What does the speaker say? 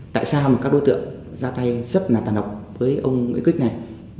tại sao mà các đối tượng ra tay rất là tàn độc với ông kích này